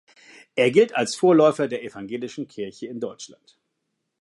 Er gilt als Vorläufer der Evangelischen Kirche in Deutschland.